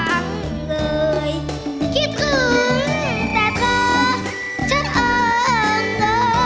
เธอบ้างเลยคิดถึงแต่เธอเฉิน